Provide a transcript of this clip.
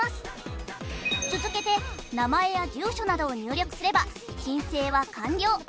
続けて名前や住所などを入力すれば申請は完了。